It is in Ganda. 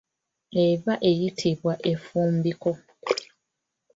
Eba eyitibwa effumbiko.